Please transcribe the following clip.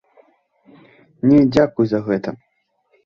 Не, дзякуй за гэта!